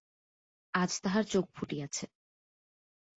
আজ তাহার চোখ ফুটিয়াছে।